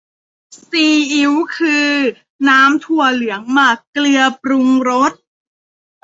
ซีอิ๊ว คือน้ำถั่วเหลืองหมักเกลือปรุงรส